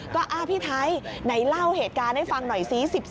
ก็พี่ไทยไหนเล่าเหตุการณ์ให้ฟังหน่อยซิ